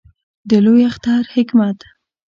د لوی اختر حکمت